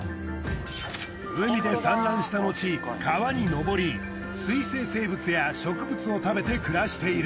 海で産卵したのち川に上り水生生物や植物を食べて暮らしている。